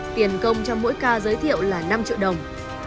tiền công cho mỗi ca giới thiệu là năm triệu đồng